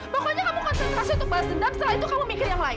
pokoknya kamu konsentrasi untuk balas dendam setelah itu kamu mikir yang lain